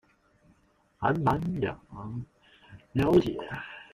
還滿想了解